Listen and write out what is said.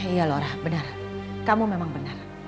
iya lohrah benar kamu memang benar